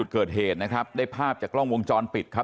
เกิดเหตุนะครับได้ภาพจากกล้องวงจรปิดครับ